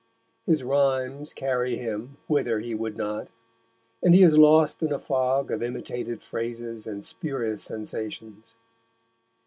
His rhymes carry him whither he would not, and he is lost in a fog of imitated phrases and spurious sensations.